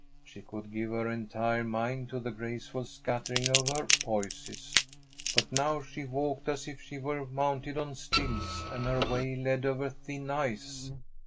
She could give her entire mind to the graceful scattering of her posies. But now she walked as if she were mounted on stilts, and her way led over thin ice.